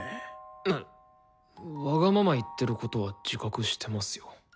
わがまま言ってることは自覚してますよ。